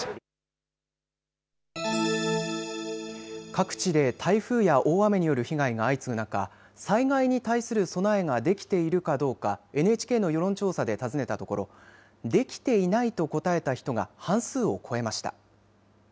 各地で台風や大雨による被害が相次ぐ中、災害に対する備えができているかどうかＮＨＫの世論調査で尋ねたところできていないと答えた人が半数を超えました。